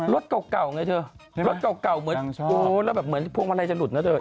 รถเก่าเหมือนพวกมันไหนจะหลุดนะเธอ